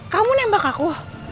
kamu nembak aku